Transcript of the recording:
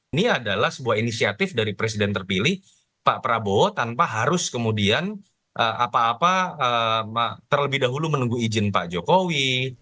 ini adalah sebuah inisiatif dari presiden terpilih pak prabowo tanpa harus kemudian terlebih dahulu menunggu izin pak jokowi